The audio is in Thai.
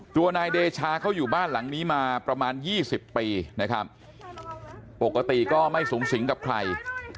ตัวนายเดชาเขาอยู่บ้านหลังนี้มาประมาณ๒๐ปีนะครับปกติก็ไม่สูงสิงกับใคร